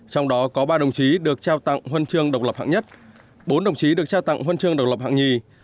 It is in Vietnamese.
trong đó có ba đồng chí được trao tặng huân chương độc lập hạng nhất bốn đồng chí được trao tặng huân chương độc lập hạng nhì